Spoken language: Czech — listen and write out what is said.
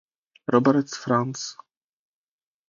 Robert Franze.